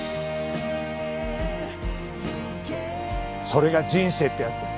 それが人生ってやつだ。